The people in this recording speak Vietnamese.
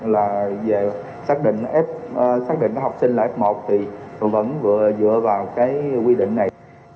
là về xác định học sinh là f một thì vẫn vừa dựa vào cái quy định này